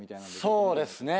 そうですね。